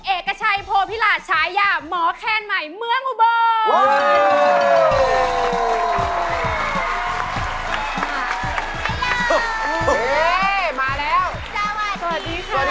เอกชัยโพพิราชฉายาหมอแคนใหม่เมืองอุบล